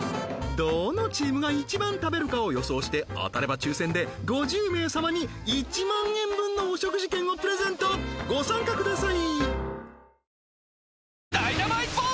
どのチームが一番食べるかを予想して当たれば抽選で５０名様に１万円分のお食事券をプレゼントご参加ください！